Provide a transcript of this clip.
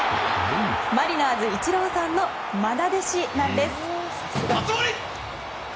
マリナーズ、イチローさんの愛弟子なんです。